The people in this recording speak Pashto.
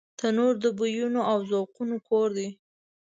تنور د بویونو او ذوقونو کور دی